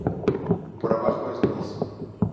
Por abajo es gris.